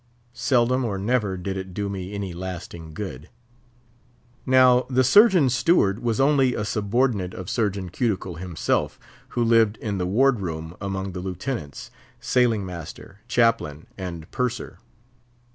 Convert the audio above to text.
Seldom or never did it do me any lasting good. Now the Surgeon's steward was only a subordinate of Surgeon Cuticle himself, who lived in the ward room among the Lieutenants, Sailing master, Chaplain, and Purser.